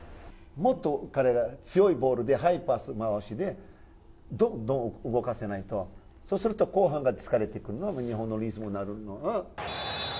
もっと彼が強いボールで速いパス回しでどんどん動かさないと、そうすると後半が疲れてくるのが日本のリズムになるのが。